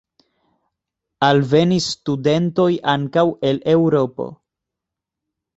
Alvenis studentoj ankaŭ el Eŭropo.